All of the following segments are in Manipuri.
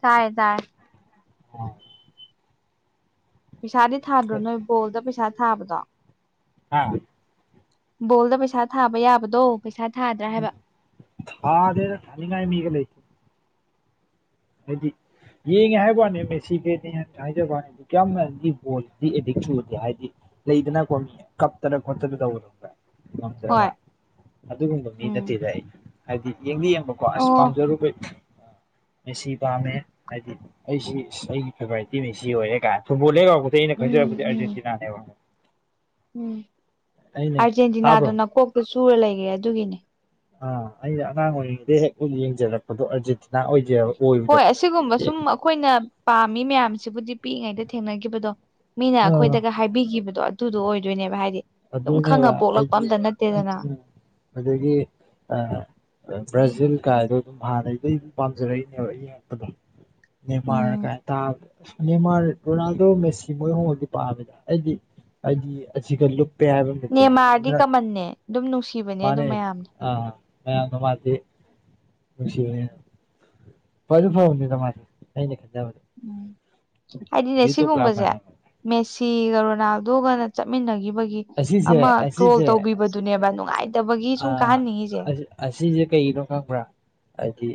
ꯇꯥꯔꯦ ꯇꯥꯔꯦ ꯑꯣ ꯄꯩꯁꯥꯗꯤ ꯊꯥꯗ꯭ꯔꯣ ꯅꯣꯏꯕꯨ ꯕꯣꯜꯗ ꯄꯩꯁꯥ ꯊꯥꯕꯗꯣ ꯍꯥ ꯕꯣꯜꯗ ꯄꯩꯁꯥ ꯊꯥꯕ ꯌꯥꯕꯗꯣ ꯄꯩꯁꯥ ꯊꯥꯗ꯭ꯔꯥ ꯍꯥꯏꯕ ꯊꯗꯦꯗ ꯊꯥꯅꯤꯡꯉꯥꯏ ꯃꯤꯒ ꯂꯩꯇꯦ ꯍꯥꯏꯗꯤ ꯌꯦꯡꯉꯦ ꯍꯥꯏꯕꯅꯦ ꯃꯦꯁꯤꯒꯦꯅꯦ ꯍꯥꯏꯖꯕꯅꯦ ꯀꯌꯥꯝ ꯃꯔꯗꯤ ꯕꯣꯗꯤ ꯑꯦꯗꯤꯛꯨ ꯆꯨꯒꯦ ꯍꯥꯏꯗꯦ ꯂꯩꯗꯅ ꯀꯣ ꯃꯤ ꯀꯞꯇꯅ ꯈꯣꯠꯇꯅ ꯇꯧꯕꯗꯣ ꯈꯪꯕꯔꯥ ꯉꯝꯗ꯭ꯔꯒ ꯍꯣꯏ ꯑꯗꯨꯒꯨꯝꯕ ꯃꯤ ꯎꯝ ꯅꯠꯇꯦꯗ ꯑꯩ ꯍꯥꯏꯗꯤ ꯌꯦꯡꯗꯤ ꯌꯦꯡꯕꯀꯣ ꯑꯁ ꯑꯣ ꯄꯥꯝꯖꯔꯨꯕꯩ ꯃꯦꯁꯤ ꯄꯥꯝꯃꯦ ꯍꯥꯏꯗꯤ ꯑꯩꯁꯤ ꯑꯩꯒꯤ ꯐꯦꯚꯣꯔꯥꯏꯠ ꯃꯦꯁꯤ ꯑꯣꯏꯔꯦ ꯀꯥꯏꯅ ꯐꯨꯠꯕꯣꯜꯂꯜ ꯑꯩꯅ ꯎꯝ ꯈꯟꯖꯔꯛꯄꯗꯤ ꯎꯝ ꯑꯔꯖꯦꯟꯇꯤꯅꯥꯅꯦꯕ ꯎꯝ ꯑꯔꯖꯦꯟꯇꯤꯅꯥꯗꯨ ꯇꯥꯕ꯭ꯔꯣ ꯅꯀꯣꯛꯇ ꯆꯨꯔ ꯂꯩꯔꯦ ꯑꯗꯨꯒꯤꯅꯦ ꯑꯥ ꯑꯩꯅ ꯑꯉꯥꯡ ꯑꯣꯏꯔꯤꯉꯩꯗꯩ ꯍꯦꯛ ꯕꯣꯜ ꯌꯦꯡꯖꯔꯛꯄꯗꯣ ꯑꯔꯖꯦꯟꯇꯤꯅꯥ ꯑꯣꯏꯖꯕ ꯍꯣꯏ ꯑꯁꯤꯒꯨꯝꯕ ꯁꯨꯝ ꯑꯩꯈꯣꯏꯅ ꯄꯥꯝꯃꯤ ꯃꯌꯥꯝꯁꯤꯕꯨꯗꯤ ꯄꯤꯛꯏꯉꯩꯗ ꯊꯦꯡꯅꯈꯤꯕꯗꯣ ꯃꯤꯅ ꯑꯥ ꯑꯩꯈꯣꯏꯗꯒ ꯍꯥꯏꯕꯤꯈꯤꯕꯗꯣ ꯑꯗꯨꯗꯣ ꯑꯣꯏꯗꯣꯏꯅꯦꯕ ꯍꯥꯏꯗꯤ ꯑꯗꯨꯝ ꯈꯪꯉ ꯑꯗꯨꯅꯦꯕ ꯄꯣꯛꯂꯛꯄ ꯑꯝꯇ ꯅꯠꯇꯦꯗꯅ ꯑꯗꯨꯒꯤ ꯑ ꯕ꯭ꯔꯖꯤꯜ ꯀꯥꯏꯗꯣ ꯑꯗꯨꯝ ꯍꯥꯟꯅꯗꯩ ꯄꯥꯝꯖꯔꯛꯏꯅꯦꯕ ꯌꯦꯡꯉꯛꯄꯗꯣ ꯅꯦꯃꯥꯔ ꯎꯝ ꯀꯥꯏ ꯇꯕꯗꯣ ꯅꯦꯃꯥꯔ ꯔꯣꯅꯥꯜꯗꯣ ꯃꯦꯁꯤ ꯃꯣꯏ ꯑꯍꯨꯝꯃꯛꯇꯤ ꯄꯥꯝꯃꯤꯗ ꯑꯩꯗꯤ ꯍꯥꯏꯗꯤ ꯑꯁꯤꯒ ꯂꯨꯞ ꯅꯦꯃꯥꯔꯗꯤ ꯀꯃꯟꯅꯦ ꯑꯗꯨꯝ ꯅꯨꯡꯁꯤꯕꯅꯦ ꯑꯗꯨꯝ ꯃꯌꯥꯝꯅ ꯑ [unintelligible] ꯃꯥꯗꯤ ꯃꯦꯁꯤ [unintelligible] ꯐꯗꯤ ꯐꯥꯕꯅꯤꯗ ꯃꯁꯦ ꯑꯩꯅ ꯈꯟꯖꯕꯗ ꯎꯝ ꯍꯥꯏꯗꯤꯅꯦ ꯌꯨꯇꯨꯕꯀ ꯑꯃ ꯁꯤꯒꯨꯝꯕꯖꯦ ꯍꯥꯡꯕ ꯃꯦꯁꯤꯒ ꯔꯣꯅꯥꯜꯗꯣꯒꯅ ꯆꯠꯃꯤꯟꯅꯒꯤꯕꯒꯤ ꯑꯁꯤꯁꯦ ꯑꯃ ꯇ꯭ꯔꯣꯜ ꯇꯧꯒꯤꯕ ꯑꯗꯨꯅꯦꯕ ꯅꯨꯡꯉꯥꯏ ꯑ ꯑꯁꯤ ꯑꯁꯤꯁꯦ ꯀꯩꯒꯤꯅꯣ ꯈꯪꯕ꯭ꯔꯥ ꯍꯥꯏꯗꯤ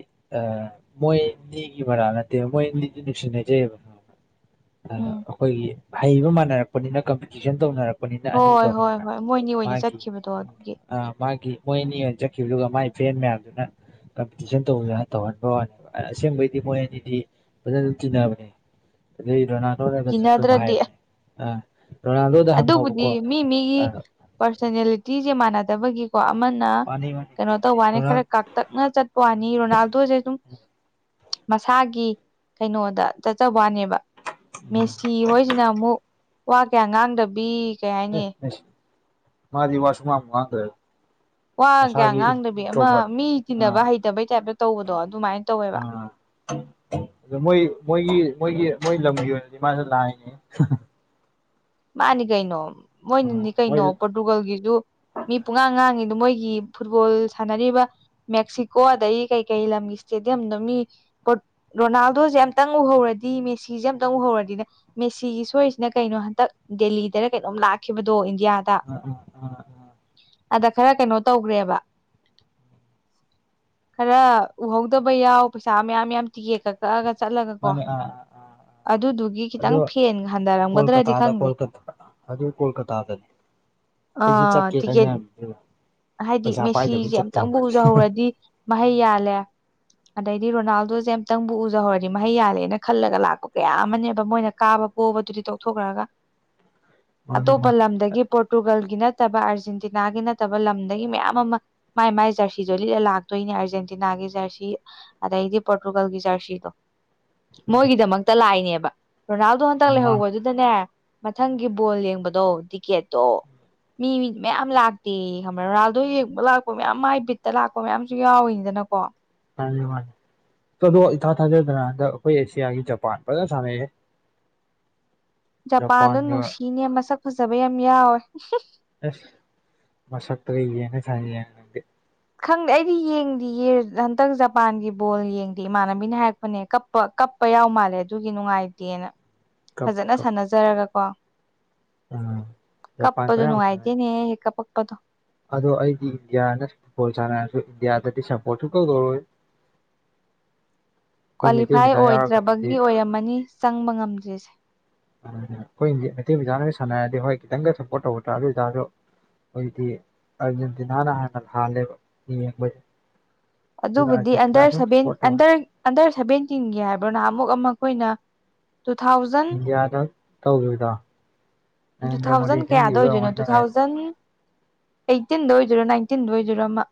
ꯃꯣꯏ ꯅꯤꯒꯤ ꯃꯔꯥ ꯅꯠꯇꯦꯕ ꯃꯣꯏꯅꯤꯗꯤ ꯅꯨꯡꯁꯤꯅꯖꯩꯑꯕ [inaudible] ꯑꯩꯈꯣꯏꯒꯤ ꯍꯩꯕ ꯃꯥꯟꯅꯔꯛꯄꯅꯤꯅ ꯀꯝꯄꯤꯇꯤꯁꯟ ꯇꯧꯅꯔꯛꯄ꯫ ꯄꯅꯤꯅ ꯍꯣꯏ ꯑꯅꯤꯗꯣ ꯍꯣꯏ ꯈꯪꯕꯔ ꯍꯣꯏ ꯃꯣꯏꯅꯤ ꯃꯥꯒꯤ [unintelligible] ꯑ ꯃꯥꯒꯤ ꯃꯣꯏ ꯑꯅꯤ ꯑꯣꯏꯅ ꯆꯠꯈꯤꯕꯗꯨꯒ ꯃꯥꯒꯤ ꯐꯔꯦꯟ ꯃꯌꯥꯝꯗꯨꯅ ꯀꯝꯄꯤꯇꯤꯁꯟ ꯇꯧ ꯇꯧꯍꯟꯕ ꯋꯥꯅꯦꯕ ꯑꯁꯦꯡꯕꯩꯗꯤ ꯃꯣꯏ ꯑꯅꯤꯗꯤ ꯐꯖꯅꯁꯨ ꯆꯤꯟꯅꯕꯅꯦ ꯑꯗꯩ ꯔꯣꯅꯥꯜꯗꯣꯅꯒꯁꯨ ꯁꯨꯝ ꯀꯤꯅꯗ꯭ꯔꯗꯤ ꯍꯥꯏꯕꯅꯦ ꯑ ꯔꯣꯅꯥꯜꯗꯣꯗ ꯍꯪꯉꯣꯕꯀꯣ ꯑ ꯄꯔꯁꯅꯦꯂꯤꯇꯤꯁꯦ ꯃꯥꯟꯅꯗꯕꯒꯤꯀꯣ ꯑꯃꯅ ꯃꯥꯅꯤ ꯃꯥꯅꯤ ꯀꯩꯅꯣ ꯇꯧꯕꯋꯅꯦ ꯔꯣꯅꯥꯜ ꯈꯔ ꯀꯥꯛ ꯇꯛꯅ ꯆꯠꯄ ꯋꯥꯅꯤ ꯔꯣꯅꯥꯜꯗꯣꯁꯦ ꯑꯗꯨꯝ ꯃꯁꯥꯒꯤ ꯀꯩꯅꯣꯗꯣ ꯆꯠꯆꯕ ꯋꯥꯅꯦꯕ ꯃꯦꯁꯤ ꯍꯣꯏꯁꯤꯅ ꯑꯃꯨꯛ ꯋꯥ ꯀꯌꯥ ꯉꯥꯡꯗꯕꯤ ꯀꯩ ꯑꯦ ꯍꯥꯏꯅꯤ ꯃꯦꯁꯤ ꯃꯥꯗꯤ ꯋꯥ ꯁꯨꯉꯥꯡꯕꯨ ꯉꯥꯡꯗ꯭ꯔꯦꯗ ꯋꯥ ꯀꯌꯥ ꯉꯥꯡꯗꯕꯤ ꯑꯃ ꯃꯤ ꯇꯤꯟꯅꯕ ꯑꯥ ꯍꯩꯇꯕꯩ ꯇꯥꯏꯞꯇ ꯇꯧꯕꯗꯣ ꯑꯗꯨꯃꯥꯏꯅ ꯇꯧꯋꯦꯕ ꯑꯥ ꯃꯣꯏ ꯃꯣꯏꯒꯤ ꯃꯣꯏꯒꯤ ꯃꯣꯏ ꯂꯝꯒꯤ ꯑꯣꯏꯅꯗꯤ ꯃꯥꯁꯦ ꯂꯥꯏꯅꯦ ꯃꯥꯅꯤ ꯀꯩꯅꯣ ꯑꯥ ꯃꯣꯏꯅꯅꯤ ꯃꯣꯏ ꯀꯩꯅꯣ ꯄꯣꯔꯇꯨꯒꯜꯒꯤꯁꯨ ꯃꯤ ꯄꯨꯡꯉꯥꯡ ꯉꯥꯡꯉꯤꯗꯣ ꯃꯣꯏꯒꯤ ꯐꯨꯠꯕꯣꯜ ꯁꯥꯟꯅꯔꯤꯕ ꯃꯦꯛꯁꯤꯀꯣ ꯑꯗꯒꯤ ꯀꯩꯀꯩ ꯂꯝꯒꯤ ꯏꯁꯇꯦꯗꯤꯌꯝꯗ ꯃꯤ [unintelligible] ꯔꯣꯅꯥꯜꯗꯣꯁꯦ ꯑꯃꯝꯇꯪ ꯎꯍꯧꯔꯗꯤ ꯃꯦꯁꯤꯁꯦ ꯑꯃꯝꯇꯪ ꯎꯍꯧꯔꯗꯤꯅ ꯃꯦꯁꯤꯒꯤ ꯁꯣꯏꯔꯤꯁꯤꯅ ꯀꯩꯅꯣ ꯍꯟꯗꯛ ꯗꯦꯜꯂꯤꯗꯅ ꯀꯩꯅꯣꯝ ꯂꯥꯛꯈꯤꯕꯗꯣ ꯏꯟꯗꯤꯌꯥꯗ [unintelligible] ꯑꯗ ꯈꯔ ꯀꯩꯅꯣ ꯇꯧꯈ꯭ꯔꯦꯕ ꯈꯔ ꯎꯍꯧꯗꯕ ꯌꯥꯎ ꯄꯩꯁꯥ ꯃꯌꯥꯝ ꯃꯌꯥꯝ ꯇꯤꯀꯦꯠ ꯀꯛ ꯀꯛꯑꯒ ꯆꯠꯂꯒ ꯀꯣ ꯃꯥꯅꯦ ꯑꯥ ꯑꯥ ꯑꯥ ꯑꯗꯨꯗꯨꯒꯤ ꯈꯤꯇꯪ ꯑꯗꯣ ꯐꯦꯟ ꯍꯟꯊꯔꯝꯒꯗ꯭ꯔꯗꯤ ꯀꯣꯜꯀꯇꯥꯗ ꯈꯪꯗꯦ ꯀꯣꯜꯀꯇꯥ ꯑꯗꯨ ꯀꯣꯜꯀꯇꯥꯗ ꯑ ꯇꯤꯀꯦꯠ ꯍꯥꯏꯗꯤ ꯄꯩꯁꯥ ꯄꯥꯏꯗꯕꯩ ꯃꯦꯁꯤꯁꯦ ꯆꯠꯇꯕꯅꯤ ꯑꯝꯇꯪꯕꯨ ꯎꯖꯍꯧꯔꯗꯤ ꯃꯍꯩ ꯌꯥꯜꯂꯦ ꯑꯗꯩꯗꯤ ꯔꯣꯅꯥꯜꯗꯣꯁꯦ ꯑꯝꯇꯪꯕꯨ ꯎꯖꯍꯧꯔꯗꯤ ꯃꯍꯩ ꯌꯥꯜꯂꯦꯅ ꯈꯜꯂꯒ ꯂꯥꯛꯄ ꯀꯌꯥ ꯑꯃꯅꯦꯕ ꯃꯣꯏꯅ ꯀꯥꯕ ꯄꯣꯕꯗꯨꯗꯤ ꯇꯧꯊꯣꯛꯈ꯭ꯔꯒ ꯃꯥꯅꯦ ꯑꯇꯣꯞꯄ ꯃꯥꯅꯦ ꯂꯝꯗꯒꯤ ꯄꯣꯔꯇꯨꯒꯜꯒꯤ ꯅꯠꯇꯕ ꯑꯥꯔꯖꯦꯟꯇꯤꯅꯥꯒꯤ ꯅꯠꯇꯕ ꯂꯝꯗꯒꯤ ꯃꯌꯥꯝ ꯑꯃ ꯃꯥꯏ ꯃꯥꯏ ꯖꯔꯁꯤꯗꯣ ꯂꯤꯠꯂ ꯂꯥꯛꯇꯣꯏꯅꯦ ꯑꯥꯔꯖꯦꯟꯇꯤꯅꯥꯒꯤ ꯖꯔꯁꯤ ꯑꯗꯩꯗꯤ ꯄꯣꯔꯇꯨꯒꯜꯒꯤ ꯖꯔꯁꯤꯗꯣ ꯃꯣꯏꯒꯤꯗꯃꯛꯇ ꯂꯥꯛꯏꯅꯦꯕ ꯔꯣꯅꯥꯜꯗꯣ ꯍꯟꯇꯛ ꯃꯥꯅꯦ ꯂꯩꯍꯧꯕꯗꯨꯗꯅꯦ ꯃꯊꯪꯒꯤ ꯕꯣꯜ ꯌꯦꯡꯕꯗꯣ ꯇꯤꯛꯀꯦꯠꯇꯣ ꯃꯤ ꯃꯤꯗꯤ ꯃꯌꯥꯝ ꯂꯥꯛꯇꯦ ꯈꯪꯕ ꯔꯣꯅꯥꯜꯗꯣ ꯌꯦꯡꯕ ꯂꯥꯛꯄ ꯃꯌꯥꯝ ꯃꯥꯏ ꯕꯤꯠꯇ ꯂꯥꯛꯄ ꯃꯌꯥꯝꯁꯨ ꯌꯥꯎꯋꯤꯅꯤꯗꯅꯀꯣ ꯃꯥꯅꯤ ꯃꯥꯟꯅꯤ ꯑꯗꯣ ꯏꯊꯥ ꯊꯥꯖꯗꯅ ꯍꯟꯗꯛ ꯑꯩꯈꯣꯏ ꯑꯦꯁꯤꯌꯥꯒꯤ ꯖꯄꯥꯟ ꯐꯖꯅ ꯁꯥꯟꯅꯩꯍ‌ꯦ ꯖꯄꯥꯟꯗꯣ ꯖꯄꯥꯟꯒ ꯅꯨꯡꯁꯤꯅꯦ ꯃꯁꯛ ꯐꯖꯕ ꯌꯥꯝ ꯌꯥꯎꯋꯦ ꯑꯁ ꯃꯁꯛꯇ ꯌꯦꯡꯉ ꯁꯥꯟꯅꯔꯗꯤ [unintelligible] ꯈꯪꯗꯦ ꯑꯩꯗꯤ ꯌꯦꯡꯗꯤꯌꯦ ꯍꯟꯇꯛ ꯖꯄꯥꯟꯒꯤ ꯕꯣꯜ ꯌꯦꯡꯗꯦ ꯏꯃꯥꯟꯅꯕꯤꯅ ꯍꯥꯏꯔꯛꯄꯅꯦ ꯀꯞ ꯄꯥ ꯀꯞꯄ ꯌꯥꯎ ꯃꯥꯜꯂꯦ ꯑꯗꯨꯒꯤ ꯅꯨꯡꯉꯥꯏꯇꯦꯅ ꯀꯞꯄꯨ ꯐꯖꯅ ꯀꯞ ꯁꯥꯟꯅꯖꯔꯒꯀꯣ ꯎꯝ ꯖꯄꯥꯟ ꯀꯞꯄꯗꯨ ꯈꯔ ꯌꯥꯝ ꯁꯥꯟꯅꯩ ꯅꯨꯡꯉꯥꯏꯇꯦꯅꯦꯍ‌ꯦ ꯀꯞꯄꯛꯄꯗꯣ ꯑꯗꯣ ꯑꯩꯗꯤ ꯏꯟꯗꯤꯌꯥꯗ ꯐꯨꯠꯕꯣꯜ ꯁꯥꯟꯅꯔꯁꯨ ꯏꯟꯗꯤꯌꯥꯗꯗꯤ ꯁꯝꯄꯣꯔ꯭ꯠ ꯁꯨꯛꯇꯧ ꯇꯧꯔꯣꯏ ꯑꯩꯈꯣꯏ ꯃꯩꯇꯩ ꯀ꯭ꯋꯥꯂꯤꯐꯥꯏ ꯃꯆꯥ ꯌꯥꯎꯔꯒꯕꯨꯗꯤ ꯑꯣꯏꯗ꯭ꯔꯕꯒꯤ ꯑꯣꯏꯔꯝꯃꯅꯤ ꯆꯪꯕ ꯉꯝꯗ꯭ꯔꯤꯁꯦ꯫ ꯑꯩꯈꯣꯏ ꯃꯩꯇꯩ ꯃꯆꯥꯅꯒ ꯁꯥꯟꯅꯔꯗꯤ ꯍꯣꯏ ꯈꯤꯇꯪꯒ ꯁꯞꯄꯣꯔꯠ ꯇꯧꯕ ꯇꯥ ꯑꯗꯨꯇꯔꯁꯨ ꯑꯩꯗꯤ ꯑꯥꯔꯖꯦꯟꯇꯤꯅꯥꯅ ꯍꯥꯟꯅ ꯍꯜꯂꯦꯕ ꯌꯦꯡꯕꯁꯦ ꯑꯗꯨꯅ ꯑꯗꯨꯕꯨꯗꯤ ꯑꯥꯔꯖꯦꯟꯇꯤꯅꯥ ꯑꯟꯗꯔ ꯑꯗꯨꯝ ꯁꯚꯦꯟ ꯁꯞꯄꯣꯔꯠ ꯇꯧ ꯑꯟꯗꯔ ꯑꯟꯗꯔ ꯁꯚꯦꯟꯇꯤꯟꯒꯤ ꯍꯥꯏꯕꯔ ꯅꯍꯟ ꯃꯨꯛ ꯑꯃ ꯑꯩꯈꯣꯏꯅ ꯇꯨ ꯊꯥꯎꯖꯟ ꯏꯟꯗꯤꯌꯥꯗ ꯇꯧꯒꯤꯕꯗꯣ ꯇꯨ ꯊꯥꯎꯖꯟ ꯀꯌꯥꯗ ꯑꯣꯏꯗꯣꯏꯅꯣ ꯑꯣꯏꯔꯝꯒꯅꯤ ꯇꯨ ꯅꯨꯡꯉꯥꯏ ꯊꯥꯎꯖꯟ ꯑꯩꯇꯤꯟꯗ ꯑꯣꯏꯗꯣꯏꯔꯣ ꯅꯥꯏꯟꯇꯤꯟꯗ ꯑꯣꯏꯗꯣꯏꯔꯣ ꯑꯃ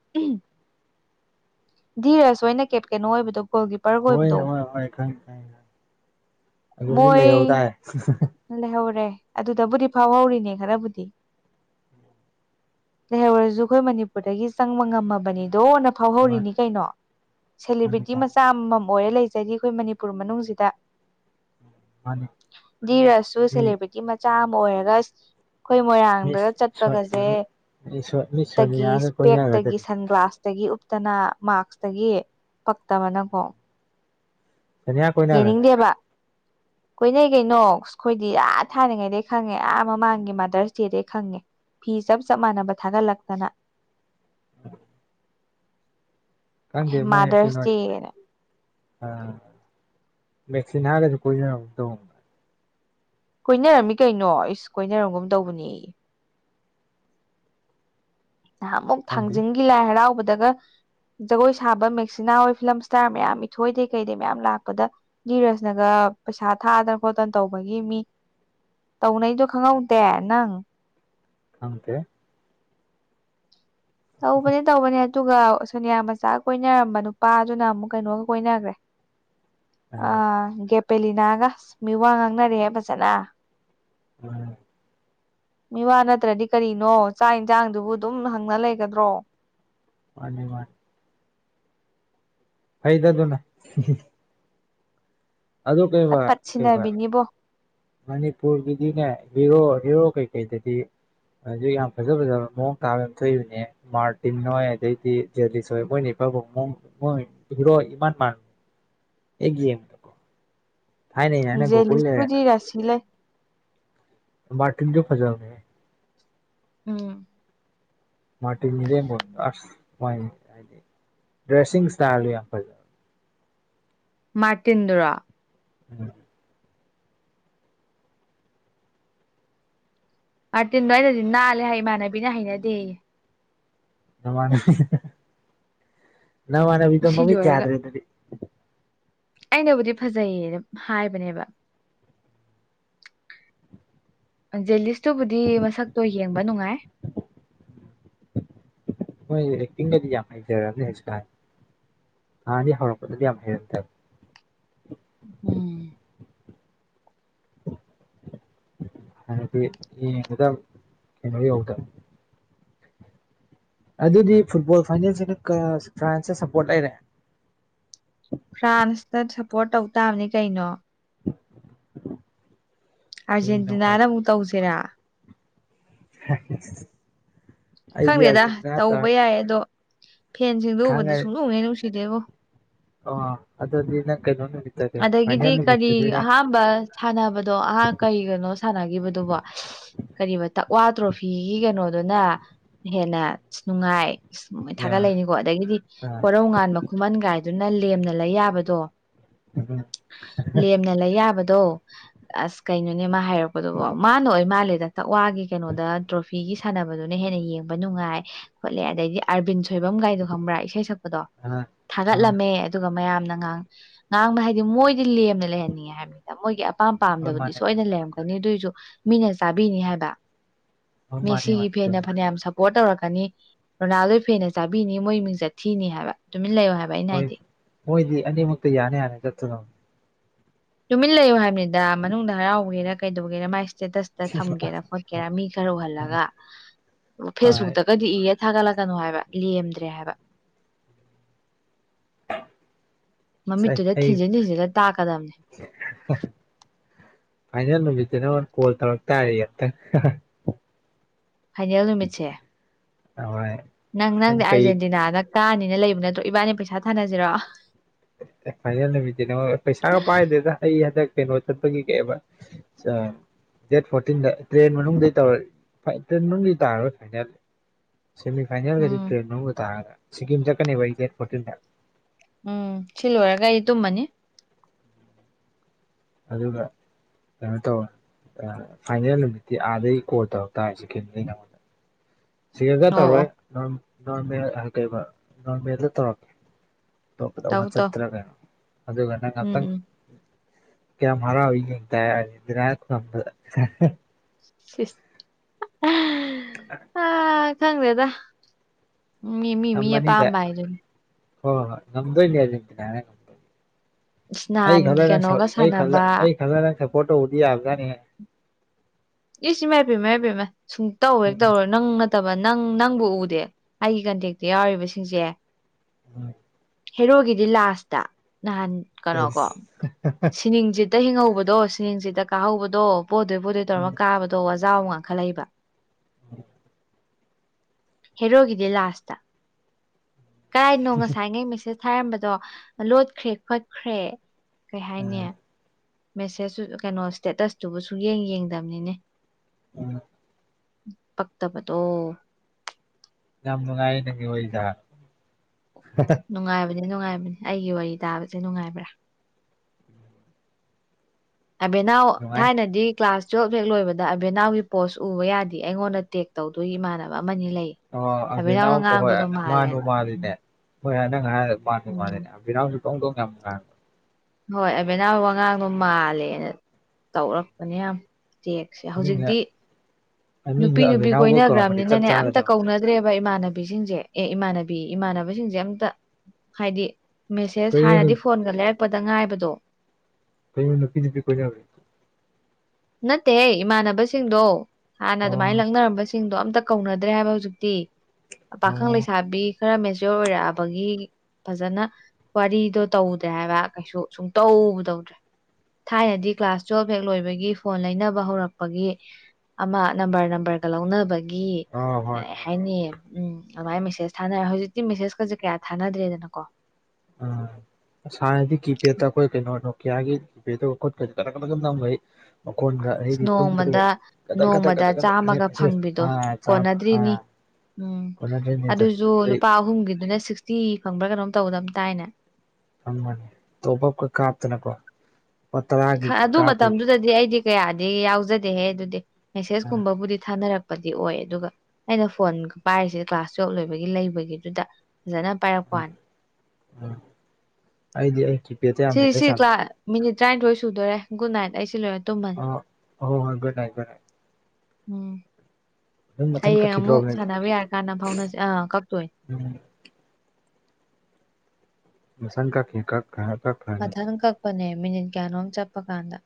ꯙꯤꯔꯁ ꯑꯣꯏꯅ ꯀꯦꯞꯀꯩꯅꯣ ꯑꯣꯏꯕꯗꯣ ꯒꯣꯜꯒꯤ ꯍꯣꯏ ꯍꯣꯏ ꯍꯣꯏ ꯈꯪꯉꯦ ꯈꯪꯉꯦ ꯈꯪꯉ‌ꯦ ꯑꯗꯨꯁꯨ ꯃꯣꯏ ꯂꯩꯍꯧꯗꯥꯏ ꯍ ꯍ ꯍ ꯂꯩꯍꯧꯔꯦ ꯑꯗꯨꯗꯕꯨꯗꯤ ꯐꯥꯎꯍꯧꯔꯤꯅꯦ ꯈꯔꯕꯨꯗꯤ ꯂꯩꯍꯧꯔꯁꯨ ꯑꯩꯈꯣꯏ ꯃꯅꯤꯄꯨꯔꯗꯒꯤ ꯆꯪꯕ ꯉꯝꯃꯕꯅꯤꯗꯣꯅ ꯐꯧꯍꯧꯔꯤꯅꯤ ꯃꯥꯅꯤ ꯀꯩꯅꯣ ꯃꯥꯅꯤ ꯁꯦꯂꯦꯕ꯭ꯔꯤꯇꯤ ꯃꯆꯥ ꯑꯃꯃꯝ ꯑꯣꯏꯔ ꯂꯩ ꯉꯁꯥꯏꯒꯤ ꯑꯩꯈꯣꯏ ꯃꯅꯤꯄꯨꯔ ꯃꯅꯨꯡꯖꯤꯗ ꯃꯥꯅꯤ ꯗꯤꯔꯁꯨ ꯃꯤ ꯁꯦꯂꯦꯕ꯭ꯔꯤ ꯃꯆꯥ ꯑꯃ ꯑꯣꯏꯔꯒ ꯑꯩꯈꯣꯏ ꯃꯣꯏꯔꯥꯡꯗꯒ ꯃꯤꯁ ꯁꯣꯏ ꯆꯠꯄꯒꯖꯦ ꯃꯤꯁ ꯃꯤꯁ ꯇꯒꯤ ꯁꯣꯅꯤꯌꯥꯒ ꯏꯁꯄꯦꯛꯇꯒꯤ ꯀꯣꯏꯅꯒ꯭ꯔꯗꯗꯤ ꯁꯟꯒ꯭ꯂꯥꯁ ꯇꯒꯤ ꯎꯞꯇꯅ ꯃꯥꯛꯁꯇꯒꯤ ꯄꯛꯇꯕꯅꯕꯨ ꯁꯣꯅꯤꯌꯥ ꯀꯣꯏꯅꯒ꯭ꯔꯗꯥꯏ ꯌꯦꯡꯅꯤꯡꯗꯦꯕ ꯀꯨꯏꯔ‌ꯦ ꯀꯩꯅꯣ ꯑꯩꯈꯣꯏꯗꯤ ꯑꯥ ꯊꯥꯏꯅꯉꯩꯗꯩ ꯈꯪꯉꯦ ꯑꯥ ꯃꯃꯥꯡꯒꯤ ꯃꯥꯗꯔꯁ ꯗꯦꯗꯩ ꯈꯪꯉꯦ ꯐꯤ ꯆꯞ ꯆꯞ ꯃꯥꯟꯅꯕ ꯊꯥꯒꯠꯂꯛꯇꯅ ꯈꯪꯗꯦ ꯃꯣꯏ ꯃꯥꯗꯔꯁ ꯀꯩꯅꯣꯗꯤ ꯗꯦꯅ ꯑ ꯃꯦꯛꯁꯤꯅꯥꯒꯖꯨ ꯀꯣꯏꯅꯔꯝ ꯇꯧꯕꯅꯤ ꯀꯣꯏꯅꯔꯝꯃꯤ ꯀꯩꯅꯣ ꯏꯁ ꯀꯣꯏꯅꯔꯝꯒꯨꯝ ꯇꯧꯕꯅꯦ ꯅꯍꯥꯃꯨꯛ ꯈꯪꯗꯦ ꯊꯥꯡꯖꯤꯡꯒꯤ ꯂꯥꯏ ꯍꯔꯥꯎꯕꯗꯒ ꯖꯒꯣꯏ ꯁꯥꯕ ꯃꯦꯛꯁꯤꯅꯥ ꯍꯣꯏ ꯐꯤꯂꯝ ꯁ꯭ꯇꯥꯔ ꯃꯌꯥꯝ ꯏꯊꯣꯏꯗꯩ ꯀꯩꯗꯩ ꯃꯌꯥꯝ ꯂꯥꯛꯄꯗ ꯗꯤꯔꯖꯅꯒ ꯄꯩꯁꯥ ꯊꯥꯗꯅ ꯈꯣꯠꯇꯅ ꯇꯧꯕꯒꯤ ꯃꯤ꯫ ꯇꯧꯅꯩꯗꯣ ꯈꯪꯍꯧꯗꯦ ꯅꯪ ꯈꯪꯗꯦ ꯇꯧꯕꯅꯦ ꯇꯧꯕꯅꯦ ꯑꯗꯨꯒ ꯁꯣꯅꯤꯌꯥ ꯃꯆꯥꯒ ꯀꯣꯏꯅꯔꯝꯕ ꯅꯨꯄꯥꯗꯨꯅ ꯑꯃꯨꯛ ꯀꯩꯅꯣꯒ ꯀꯣꯏꯅꯒ꯭ꯔꯦ ꯑꯥ ꯒꯦꯄꯦꯂꯤꯅꯥꯒ ꯃꯤꯋꯥ ꯉꯥꯡꯅꯔꯦꯍ‌ꯦ ꯐꯖꯅ ꯎꯝ ꯃꯤꯋꯥ ꯅꯠꯇ꯭ꯔꯗꯤ ꯀꯔꯤꯅꯣ ꯆꯥꯛ ꯏꯟꯁꯥꯡꯗꯨꯕꯨ ꯑꯗꯨꯝ ꯍꯪꯅ ꯂꯩꯒꯗ꯭ꯔꯣ ꯃꯥꯟꯅꯤ ꯃꯥꯟꯅꯤ ꯐꯩꯗ ꯑꯗꯨꯅ ꯑꯗꯣ ꯐꯠ ꯀꯩꯕ ꯐꯠ ꯀꯩꯕ꯫ ꯁꯤꯟꯅꯕꯤꯅꯤꯕꯣ ꯃꯅꯤꯄꯨꯔꯒꯤꯗꯤꯅꯦ ꯍꯦꯔꯣ ꯍꯦꯔꯣ ꯀꯩꯀꯩꯗꯗꯤ ꯍꯧꯖꯤꯛ ꯌꯥꯝ ꯐꯖ ꯐꯖꯕ ꯃꯑꯣꯡ ꯇꯥꯕ ꯌꯥꯝ ꯊꯣꯛꯏꯕꯅꯤꯍ‌ꯦ ꯃꯥꯔꯇꯤꯟ ꯍꯣꯏ ꯑꯗꯩꯗꯤ ꯖꯦꯂꯤꯁ ꯍꯣꯏ ꯃꯣꯏꯅ ꯏꯄꯕꯣꯡ [unintelligible] ꯃꯣꯡ ꯃꯣꯏ ꯍꯤꯔꯣ ꯏꯃꯥꯟ ꯃꯥꯟ ꯍꯦꯛ ꯌꯦꯡꯕꯗ ꯖꯦꯂꯤꯁꯄꯨꯗꯤ ꯂꯩꯔꯦꯅ ꯔꯥꯁꯤ ꯂꯩ꯫ ꯃꯥꯔꯇꯤꯟꯖꯨ ꯐꯖꯕꯅꯦꯍ‌ꯦ ꯎꯝ ꯃꯥꯔꯇꯤꯟ ꯏꯔꯦꯡꯕꯝꯗꯣ ꯑꯁ ꯃꯥꯏ ꯍꯥꯏꯗꯤ ꯗ꯭ꯔꯦꯁꯤꯡ ꯏꯁꯇꯥꯥꯏꯜ ꯌꯥꯝ ꯐꯖꯩ ꯃꯥꯔꯇꯤꯟꯗꯨꯔꯣ [unintelligible] ꯃꯥꯔꯇꯤꯟꯗꯣ ꯑꯩꯅꯗꯤ ꯅꯥꯜꯂꯦ ꯍꯥꯏ ꯏꯃꯥꯟꯅꯕꯤꯅ ꯍꯩꯅꯗꯦꯌꯦ ꯅꯃꯅꯕꯤ [unintelligible] ꯅꯃꯅꯕꯤꯗꯣ ꯁꯤ ꯃꯃꯤꯠ ꯂꯣꯏꯔꯒ ꯌꯥꯗꯔꯦ ꯑꯗꯨꯗꯤ ꯑꯩꯅꯕꯨꯗꯤ ꯐꯖꯩꯌꯦꯅ ꯍꯥꯏꯕꯅꯦꯕ ꯖꯦꯂꯤꯁꯇꯨꯕꯨꯗꯤ ꯃꯁꯛꯇꯣ ꯌꯦꯡꯕ ꯅꯨꯡꯉꯥꯏ ꯃꯣꯏ ꯑꯦꯛꯇꯤꯡꯒꯥꯗꯤ ꯌꯥꯝ ꯍꯩꯖꯔꯕꯅꯦ ꯍꯧꯖꯤꯛꯀꯥꯟ ꯍꯥꯟꯅꯗꯤ ꯍꯧꯔꯛꯄꯗꯗꯤ ꯌꯥꯝ ꯍꯩꯔꯝꯗꯕꯅꯤ ꯎꯝ ꯍꯥꯏꯕꯗꯤ ꯌꯦꯡꯕꯗ ꯀꯩꯅꯣ ꯌꯧꯗꯝ [unintelligible] ꯑꯗꯨꯗꯤ ꯐꯨꯠꯕꯣꯜ ꯐꯥꯏꯅꯦꯜꯁꯤꯅ ꯀ ꯐ꯭ꯔꯥꯟꯁꯇ ꯁꯞꯄꯣꯔ꯭ꯠ ꯂꯩꯔꯦ ꯐ꯭ꯔꯥꯟꯁꯇ ꯁꯞꯄꯣꯔ꯭ꯠ ꯇꯧ ꯇꯥꯕꯅꯤ ꯀꯩꯅꯣ ꯑꯩꯅ ꯑꯔꯖꯦꯟꯇꯤꯅꯥꯅ ꯑꯔ- ꯑꯃꯨꯛ ꯇꯧꯁꯤꯔꯥ ꯍ ꯍ [unintelligible] ꯈꯪꯗꯦꯗ ꯇꯧꯕ ꯌꯥꯏ ꯑꯗꯣ ꯐꯦꯟꯁꯤꯡꯗꯣ ꯎꯕꯗ ꯈꯪꯉꯦ ꯁꯨꯛꯅꯨꯡ ꯍꯦꯛ ꯅꯨꯡꯁꯤꯗꯦꯕꯣ ꯑꯣ ꯑꯗꯨꯗꯤ ꯅꯪ ꯀꯩꯅꯣꯅ ꯑꯗꯒꯤꯗꯤ ꯀꯔꯤ ꯑꯍꯥꯝꯕ ꯁꯥꯟꯅꯕꯗꯣ ꯑꯥ ꯀꯔꯤꯒꯅꯣ ꯁꯥꯟꯅꯈꯤꯕꯗꯨꯕꯣ ꯀꯔꯤꯕ ꯇꯛꯋꯥ ꯇ꯭ꯔꯣꯐꯤꯒꯤ ꯀꯩꯅꯣꯗꯨꯅ ꯍꯦꯟꯅ ꯅꯨꯡꯉꯥꯏ ꯃꯣꯏꯅ ꯑ ꯊꯥꯒꯠꯂꯛꯅꯤꯀꯣ ꯑꯗꯒꯤꯗꯤ ꯀꯣꯔꯧꯉꯥꯟꯕ ꯈꯨꯃꯟ ꯀꯥꯏꯗꯨꯅ ꯂꯦꯝꯅ ꯂꯩ ꯌꯥꯕꯗꯣ ꯎꯝ ꯂꯦꯝꯅ ꯂꯩ ꯌꯥꯕꯗꯣ ꯑꯁ ꯀꯩꯅꯣꯅꯦ ꯃꯥ ꯍꯥꯏꯔꯛꯄꯗꯨꯕꯣ ꯃꯥꯅ ꯑꯣꯏ ꯃꯥꯜꯂꯦꯗ ꯊꯛ ꯋꯥꯒꯤ ꯀꯩꯅꯣꯗ ꯇ꯭ꯔꯣꯐꯤ ꯇꯣꯐ꯭ꯔꯤꯒꯤ ꯁꯥꯟꯅꯕꯗꯨꯅ ꯍꯦꯟꯅ ꯌꯦꯡꯕ ꯅꯨꯡꯉꯥꯏ ꯈꯣꯠꯂꯦ ꯑꯗꯩꯗꯤ ꯑꯥꯔꯕꯤꯟ ꯁꯣꯏꯕꯝ ꯒꯥꯏꯗꯣ ꯈꯪꯕ꯭ꯔꯥ ꯏꯁꯩ ꯁꯛꯄꯗꯣ ꯑ ꯑ ꯑ- ꯊꯥꯒꯠꯂꯝꯃꯦ ꯑꯗꯨꯒ ꯃꯌꯥꯝꯅ ꯉꯍꯥꯡ ꯉꯥꯡꯅ ꯍꯥꯏꯗꯤ ꯃꯣꯏꯗꯤ ꯂꯦꯝꯅ ꯂꯩꯍꯟꯅꯤꯡꯉꯦ ꯍꯥꯏꯕꯅꯤꯗ ꯃꯣꯏꯒꯤ ꯑꯄꯥꯝ ꯍꯣꯏ ꯄꯥꯝꯗꯕꯨꯗꯤ ꯃꯥꯅꯦ ꯃꯥꯅꯦ ꯁꯣꯏꯗꯅ ꯂꯩꯔꯝꯒꯅꯤ ꯑꯗꯨꯏꯁꯨ ꯃꯤꯅ ꯆꯥꯕꯤꯅꯤ ꯍꯥꯏꯕ ꯍꯣꯏ ꯃꯥꯅꯦ ꯃꯦꯁꯤꯒꯤ ꯃꯥꯅꯦ ꯐꯦꯟꯅ ꯆꯨꯝꯃꯦ ꯐꯅꯌꯥꯝ ꯁꯄꯣꯠ ꯇꯧꯔꯛꯀꯅꯤ ꯔꯣꯅꯥꯜꯗꯣ ꯐꯦꯟꯅ ꯆꯥꯕꯤꯅꯤ ꯃꯣꯏ ꯃꯤꯡ ꯆꯠ ꯊꯤꯅꯤ ꯍꯥꯏꯕ ꯇꯨꯃꯤꯟ ꯂꯩꯌꯣ ꯍꯥꯏꯕ ꯑꯩꯅ ꯍꯣꯏ ꯍꯥꯏꯗꯤ ꯃꯣꯏꯗꯤ ꯑꯅꯤꯃꯛꯇ ꯌꯥꯅ ꯌꯥꯅ ꯆꯠꯀꯗꯧꯅꯦ ꯇꯨꯃꯤꯟ ꯂꯩꯌꯣ ꯍꯥꯏꯕꯅꯤꯗ ꯃꯅꯨꯡꯗ ꯍꯔꯥꯎꯕꯒꯦꯔ ꯀꯩꯗꯒꯦꯔꯥ ꯃꯥꯏ ꯏꯁꯇꯦꯇꯁ ꯊꯝꯒꯦꯔꯥ ꯈꯣꯠꯀꯦꯔꯥ ꯃꯤ ꯈꯔ ꯎꯍꯜꯂꯒ ꯑꯥ ꯐꯦꯁꯕꯨꯛꯇ ꯀꯒꯗꯤ ꯏꯔꯒꯦ ꯊꯥꯒꯠꯂꯛꯀꯅꯣ ꯍꯥꯏꯕ ꯂꯦꯝꯗ꯭ꯔꯦ ꯍꯥꯏꯕ ꯑꯁ ꯑꯩ ꯃꯃꯤꯠꯇꯨꯗ ꯑꯩ ꯊꯤꯟꯖꯤꯟ ꯊꯤꯟꯖꯤꯜꯂ ꯇꯥꯛꯀꯗꯕꯅꯦ ꯐꯥꯏꯅꯦꯜ ꯅꯨꯃꯤꯠꯇ ꯀꯣꯜ ꯇꯥꯔꯛꯇꯥꯔꯤ ꯑꯝꯇꯪ ꯐꯥꯏꯅꯦꯜ ꯅꯨꯃꯤꯠꯁꯦ ꯍꯣꯏ ꯅꯪ ꯅꯪꯗꯤ ꯑꯥꯔꯖꯦꯟꯇꯤꯅꯥꯗ ꯀꯥꯅꯤꯅ ꯂꯩꯕ ꯅꯠꯇ꯭ꯔꯣ ꯏꯕꯥꯅꯤ ꯄꯩꯁꯥ ꯊꯥꯅꯁꯤꯔꯣ ꯐꯥꯏꯅꯦꯜ ꯅꯨꯃꯤꯠꯇꯤ ꯅꯉꯣꯟ ꯄꯩꯁꯥꯒ ꯄꯥꯏꯗꯦꯗ ꯑꯩ ꯍꯟꯗꯛ ꯀꯩꯅꯣ ꯆꯠꯄꯒꯤ ꯀꯩꯌꯦꯕ ꯑꯆꯥ ꯗꯦꯠ ꯐꯣꯔꯇꯤꯟꯗ ꯇ꯭ꯔꯦꯟ ꯃꯅꯨꯡꯗ ꯇꯧꯔꯁꯦ ꯇ꯭ꯔꯦꯟ ꯃꯅꯨꯡꯗꯤ ꯇꯥꯔꯣꯏ ꯐꯥꯏꯅꯦꯜ ꯁꯦꯃꯤ ꯐꯥꯏꯅꯦꯜꯒꯗꯤ ꯎꯝ ꯇ꯭ꯔꯦꯟ ꯃꯅꯨꯡ ꯇꯥꯒꯗ꯭ꯔꯥ ꯁꯤꯀꯤꯝ ꯆꯠꯀꯅꯦꯕ ꯑꯩ ꯗꯦꯠ ꯐ꯭ꯔꯣꯇꯤꯟꯗ ꯎꯝ ꯁꯤ ꯂꯣꯏꯔꯒ ꯑꯩ ꯇꯨꯝꯃꯅꯤ ꯑꯗꯨꯒ ꯀꯩꯅꯣ ꯇꯧꯔꯅꯤ ꯑ ꯐꯥꯏꯅꯦꯜ ꯅꯨꯃꯤꯠꯇꯤ ꯑꯥꯗꯩ ꯀꯣꯜ ꯇꯧꯔꯛ ꯇꯥꯔꯦ ꯁꯤꯀꯤꯝꯗꯩ ꯅꯉꯣꯟꯗ ꯁꯤꯗꯒ ꯑꯣ ꯑꯣ ꯇꯧꯔꯛꯑꯣꯏ ꯅꯣꯔꯃꯦꯜ ꯑ ꯀꯩꯕ ꯅꯣꯔꯃꯦꯜꯗ ꯇꯧꯔꯛꯀꯦ ꯑꯇꯣꯞꯄꯗ ꯇꯧ ꯋꯥ ꯇꯧ ꯆꯠꯇ꯭ꯔꯥ ꯀꯩꯅꯣ ꯑꯗꯨꯒ ꯅꯪ ꯎꯝ ꯑꯝꯇꯪ ꯎꯝ ꯀꯌꯥꯝ ꯍꯔꯥꯎꯏ ꯌꯦꯡꯇꯥꯔꯦ ꯑꯥꯔꯖꯦꯟꯇꯤꯅꯅ ꯉꯝꯕꯗ ꯁꯤꯁ ꯑ [inaudible] ꯑ ꯈꯪꯗꯦꯗ ꯃꯤ ꯃꯤ ꯃꯤ ꯉꯝꯃꯅꯤꯗ ꯑꯄꯥꯝꯕ ꯍꯥꯏꯗꯨꯅꯦ ꯍꯣꯏ ꯍꯣꯏ ꯉꯥꯝꯗꯣꯢꯅꯦ ꯑꯥꯔꯖꯦꯟꯇꯤꯅꯅ ꯏꯁ ꯅꯍꯥꯟꯒꯤ ꯀꯩꯅꯣꯒ ꯁꯥꯟꯅꯕ ꯑꯩ ꯈꯥꯟꯂ ꯁꯄꯣꯠ ꯇꯧꯕꯗꯤ ꯌꯕꯖꯥꯠꯅꯤ ꯏꯁ ꯏꯃꯥꯏ ꯄꯦꯃꯥ ꯄꯦꯃꯥ ꯁꯨꯡꯇꯧ ꯇꯧꯔꯣꯏ ꯎꯝ ꯅꯪ ꯅꯠꯇꯕ ꯅꯪ ꯅꯪꯕꯨ ꯎꯗꯦ ꯑꯩꯒꯤ ꯀꯟꯇꯦꯛꯇ ꯌꯥꯎꯔꯤꯕꯁꯤꯡꯁꯦ ꯎꯝ ꯍꯦꯔꯣꯒꯤꯗꯤ ꯂꯥꯁꯇ ꯅꯍꯥꯟ ꯀꯩꯅꯣ ꯀꯣ ꯑꯦꯁ ꯁꯤꯅꯤꯡꯁꯤꯠ ꯍꯦꯛꯇ ꯍꯤꯡꯍꯧꯕꯗꯣ ꯁꯤꯁꯤꯡꯦꯡꯁꯤꯦꯛꯇ ꯀꯥꯍꯧꯕꯗꯣ ꯄꯣꯠꯇꯣꯏ ꯄꯣꯠꯠꯇꯣꯏ ꯇꯧꯔꯒ ꯎꯝ ꯀꯥꯕꯗꯣ ꯋꯥꯖꯥꯎ ꯑꯃ ꯉꯟꯈꯠꯂꯛꯏꯕ ꯎꯝ [inaudible] ꯍꯦꯔꯣꯒꯤꯗꯤ ꯂꯥꯁꯇ ꯀꯗꯥꯥꯏꯅꯣ ꯉꯁꯤ ꯉꯩ ꯃꯦꯁꯦꯁ ꯊꯔꯝꯕꯗꯣ ꯂꯣꯠꯈ꯭ꯔꯦ ꯈꯣꯠꯈ꯭ꯔꯦ ꯀꯩ ꯍꯥꯏꯅꯤ ꯃꯦꯁꯦꯁ ꯀꯩꯅꯣ ꯁ꯭ꯇꯦꯇꯁꯇꯨꯕꯨ ꯁꯨꯡꯌꯦꯡ ꯌꯦꯡꯗꯝꯕꯅꯤꯅꯦ ꯎꯝ ꯄꯛꯇꯕꯗꯣ ꯌꯥꯝ ꯅꯨꯉꯥꯏ ꯅꯪ ꯋꯥꯔꯤ ꯇꯥꯕꯗ ꯅꯨꯡꯉꯥꯏꯕꯅꯤ ꯅꯨꯡꯉꯥꯏꯕꯅꯤ ꯑꯩꯒꯤ ꯋꯥꯔꯤ ꯇꯥꯕꯁꯦ ꯅꯨꯡꯉꯥꯏꯕ꯭ꯔꯥ ꯑꯕꯦꯟꯅꯥꯎ ꯅꯨꯡꯉꯥꯏ ꯊꯥꯏꯅꯗꯤ ꯀ꯭ꯂꯥꯁ ꯇꯨꯌꯦꯜꯕ ꯍꯦꯛ ꯂꯣꯏꯕꯗ ꯑꯕꯦꯅꯥꯎꯒꯤ ꯄꯣꯁ ꯎꯕ ꯌꯥꯗꯦ ꯑꯩꯉꯣꯟꯗ ꯇꯦꯛ ꯇꯧꯗꯣꯏ ꯏꯃꯥꯟꯅꯕ ꯑꯃꯅꯤ ꯂꯩ ꯑꯕꯦꯅꯥꯎꯅ ꯑꯣ ꯉꯥꯡꯕꯗꯣ [unintelligible] ꯃꯥꯕꯨ ꯃꯥꯜꯂꯦꯅ ꯃꯥꯜꯂꯤꯅꯦ ꯃꯣꯏ ꯅꯪ ꯉꯥꯏ ꯃꯥꯅꯨ ꯎꯝ ꯃꯥꯜꯂꯤꯅꯦ ꯑꯕꯦꯅꯥꯎꯁꯨ ꯗꯣꯡ ꯗꯣꯡ ꯌꯥꯝ ꯉꯥꯡꯏ ꯍꯣꯏ ꯑꯕꯦꯅꯥꯎ ꯋꯥꯉꯥꯡꯗꯣ ꯃꯥꯜꯂꯦꯅ ꯇꯧꯔꯛꯄꯅꯦ ꯌꯥꯝ ꯆꯦꯛꯁꯦ ꯃꯃꯤꯡꯒ ꯍꯧꯖꯤꯛꯇꯤ ꯅꯨꯄꯤ ꯑꯃꯤꯟꯒ ꯅꯨꯄꯤ ꯑꯃꯤꯅꯥꯎꯒ ꯀꯧꯔꯝꯃꯗꯤ ꯆꯞ ꯀꯣꯏꯅꯈ꯭ꯔꯕꯅꯤꯅꯅꯦ ꯑꯝꯇ ꯆꯥꯒꯗꯕ ꯀꯧꯅ ꯐꯗ꯭ꯔꯦꯕ ꯏꯃꯥꯟꯅꯕꯤꯁꯤꯡꯁꯦ ꯑꯦ ꯏꯃꯥꯟꯅꯕꯤ ꯏꯃꯥꯟꯅꯕꯁꯤꯡꯁꯦ ꯑꯝꯇ ꯍꯥꯏꯗꯤ ꯃꯦꯁꯦꯁ ꯀꯩꯅꯣ ꯅꯨ ꯍꯥꯟꯅꯗꯤ ꯐꯣꯟꯒ ꯂꯩꯔꯛꯄꯗ ꯉꯥꯏꯕꯗꯣ ꯀꯩ ꯂ ꯅꯨꯄꯤꯅꯤ ꯄ ꯀꯣꯏꯅꯦ [inaudible] ꯅꯠꯇꯦ ꯏꯃꯥꯟꯅꯕꯁꯤꯡꯗꯣ ꯍꯥꯟꯅ ꯑꯗꯨꯃꯥꯏꯅ ꯑꯣ ꯂꯪꯅꯔꯝꯕꯁꯤꯡ ꯁꯤꯡꯗꯣ ꯑꯝꯇ ꯀꯧꯅꯗ꯭ꯔꯦ ꯍꯥꯏꯕ ꯍꯧꯖꯤꯛꯇꯤ ꯄꯥꯈꯪ ꯑꯣ ꯂꯩꯁꯥꯕꯤ ꯈꯔ ꯃꯦꯆꯌꯣꯔ ꯑꯣꯏꯔꯛꯑꯕꯒꯤ ꯐꯖꯅ ꯋꯥꯔꯤꯗꯣ ꯇꯧꯗ꯭ꯔꯦ ꯍꯥꯏꯕ ꯀꯩꯁꯨ ꯁꯨꯡꯇꯧꯕꯨ ꯇꯧꯗ꯭ꯔꯦ ꯊꯥꯏꯅꯗꯤ ꯀ꯭ꯂꯥꯁ ꯇꯨꯋꯦꯜꯕ ꯍꯦꯛ ꯂꯣꯏꯕꯒꯤ ꯐꯣꯟ ꯂꯩꯅꯕ ꯍꯧꯔꯛꯄꯒꯤ ꯑꯃ ꯅꯝꯕꯔ ꯅꯝꯕꯔꯒ ꯂꯧꯅꯕꯒꯤ ꯑꯥ ꯍꯣꯏ ꯍꯣꯏ ꯍꯥꯏꯅꯤ ꯎꯝ ꯑꯗꯨꯃꯥꯏꯅ ꯃꯦꯁꯦꯖ ꯊꯥꯅꯔꯦ ꯍꯧꯖꯤꯛꯇꯤ ꯃꯦꯁꯦꯖꯀꯁꯦ ꯀꯌꯥ ꯊꯥꯅꯗ꯭ꯔꯦꯗꯅꯀꯣ ꯑꯥ ꯁꯥꯟꯅꯗꯤ ꯀꯤꯄꯦꯗꯠꯇ ꯑꯩꯈꯣꯏ ꯀꯩꯅꯣ ꯅꯣꯀꯤꯌꯥꯒꯤ ꯀꯤꯄꯦꯗ ꯈꯣꯠꯄ ꯀꯂ ꯀꯂ ꯅꯝꯕꯈꯩ ꯃꯈꯀꯣꯟꯒ ꯑꯁ ꯑꯩꯗꯩꯗꯤ ꯇꯨꯝꯕꯗꯒ ꯅꯣꯡꯃꯗ ꯅꯣꯡꯃꯗ ꯆꯥꯝꯃꯒ ꯐꯪꯕꯤꯗꯣ ꯀꯣꯟꯅꯗ꯭ꯔꯤꯅꯤ [unintelligible] ꯎꯝ ꯀꯣꯟꯅꯗ꯭ꯔꯤꯅꯤꯗ ꯑꯗꯨꯁꯨ ꯑꯗꯩ ꯂꯨꯄꯥ ꯑꯍꯨꯝꯒꯤꯗꯨꯅ ꯁꯤꯛꯁꯇꯤ ꯐꯪꯕ꯭ꯔꯥ ꯀꯩꯅꯣꯝ ꯇꯧꯒꯗꯕ ꯇꯥꯏꯅꯦ [unintelligible] ꯇꯣꯄꯞꯀ ꯀꯥꯞꯇꯅꯀꯣ ꯂꯨꯄꯥ ꯇꯔꯥꯒꯤꯒ ꯑꯗꯨ ꯀꯥꯞꯄꯒꯤ ꯃꯇꯝꯗꯨꯗꯗꯤ ꯑꯩꯗꯤ ꯀꯌꯥꯗꯤ ꯌꯥꯎꯖꯗꯦꯍꯦ ꯑꯗꯨꯗꯤ ꯎꯝ ꯃꯦꯁꯦꯁꯀꯨꯝꯕꯕꯨꯗꯤ ꯊꯥꯅꯔꯛꯄ ꯗꯤ ꯑꯣꯏ ꯑꯗꯨꯒ ꯑꯩꯅ ꯐꯣꯟ ꯄꯥꯏꯔꯤꯁꯤ ꯀ꯭ꯂꯥꯁ ꯇꯨꯌꯦꯦꯜꯕ ꯂꯣꯏꯕꯒꯤ ꯂꯩꯕꯒꯤꯗꯨꯗ ꯐꯖꯅ ꯄꯥꯏꯔꯛꯄ ꯎꯝ ꯋꯥꯅꯤ ꯎꯝ ꯑꯩꯗꯤ ꯑꯩ ꯀꯤꯄꯦꯗꯇ ꯌꯥꯝ ꯁꯤꯁꯤ ꯃꯦꯁꯦꯖ ꯌꯥꯝ ꯀ꯭ꯂ ꯅꯝꯃꯦ ꯃꯤꯅꯤꯠ ꯇꯔꯥꯅꯤꯊꯣꯏ ꯁꯨꯗꯣꯔꯦ ꯒꯨꯗ ꯅꯥꯏꯠ ꯑꯩ ꯂꯣꯏꯔꯦ ꯑ ꯍꯣ ꯍꯣꯏ ꯒꯨꯠ ꯅꯥꯏꯠ ꯒꯨꯠ ꯅꯥꯏꯠ ꯎꯝ ꯑꯗꯨꯝ ꯃꯊꯟ ꯍꯌꯦꯡ ꯀꯛꯈꯤꯗ꯭ꯔꯣ ꯑꯃꯨꯛ ꯃꯦꯝ? ꯁꯥꯟꯅꯕ ꯌꯥꯔ ꯀꯥꯟꯗ ꯐꯥꯎꯅꯁꯦ ꯑꯥ ꯀꯛꯇꯣꯏꯅꯦ [unintelligible] [unintelligible] [unintelligible] ꯃꯊꯟ ꯀꯛꯄꯅꯦ ꯃꯤꯅꯤꯠ ꯀꯌꯥꯔꯣꯝ ꯆꯠꯄ ꯀꯥꯟꯗ